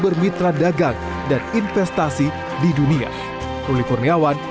bermitra dagang dan investasi di dunia muliawani plastongapebro jakarta